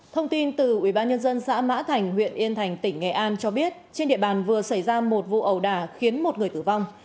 thông tin từ ubnd xã mã thành huyện yên thành tỉnh nghệ an cho biết trên địa bàn vừa xảy ra một vụ ẩu đả khiến một người tử vong